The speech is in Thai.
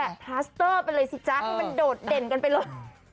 พลัสเตอร์ไปเลยสิจ๊ะให้มันโดดเด่นกันไปเลย